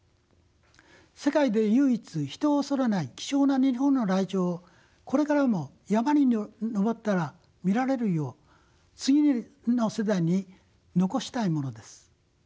世界で唯一人を恐れない貴重な日本のライチョウをこれからも山に登ったら見られるよう次の世代に残したいものです。